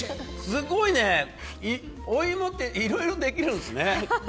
すごいね！お芋っていろいろできるんですね。